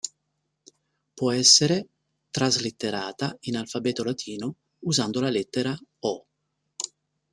Può essere traslitterata in alfabeto latino usando la lettera "Ö".